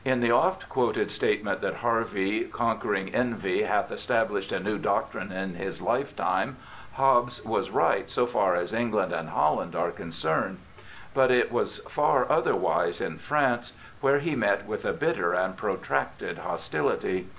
Y 2 324 BIOGRAPHICAL ESSAYS In the oft quoted statement that Harvey, 'conquering envy, hath established a new doctrine in his lifetime/ Hobbes was right so far as England and Holland are concerned. But it was far otherwise in France, where he met with a bitter and protracted hostility.